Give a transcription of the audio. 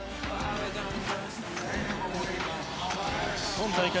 今大会